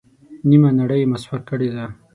نیمه نړۍ یې مسحور کړې ده.